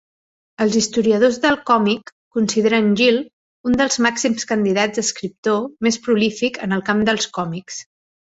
Els historiadors del còmic consideren Gill un dels màxims candidats a escriptor més prolífic en el camp dels còmics.